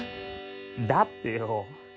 だってよ